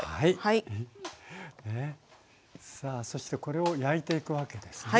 さあそしてこれを焼いていくわけですね。